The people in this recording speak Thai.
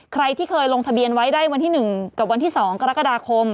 ใครที่เคยลงทะเบียนไว้ได้วันที่๑กับวันที่๒กรกฎาคม